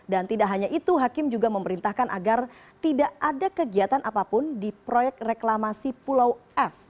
dan tidak hanya itu hakim juga memerintahkan agar tidak ada kegiatan apapun di proyek reklamasi pulau f